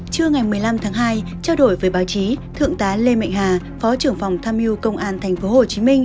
chưa ngày một mươi năm tháng hai trao đổi với báo chí thượng tá lê mệnh hà phó trưởng phòng tham miu công an tp hcm